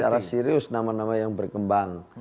secara serius nama nama yang berkembang